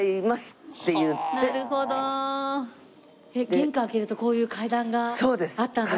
玄関開けるとこういう階段があったんですか？